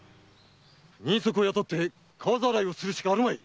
人足を雇って川浚いをするしかあるまい。